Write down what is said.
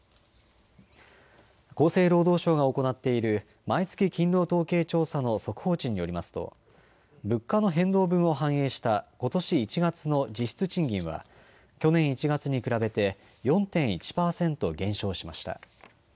厚生労働省が行っている毎月勤労統計調査の速報値によりますと物価の変動分を反映したことし１月の実質賃金は去年１月に比べて４．１％減少しました。